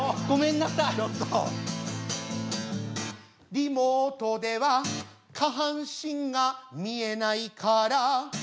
「リモートでは下半身が見えないから」